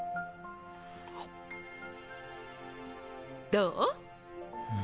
どう？。